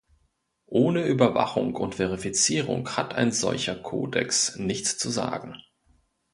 Ohne Überwachung und Verifizierung hat ein solcher Kodex nichts zu sagen.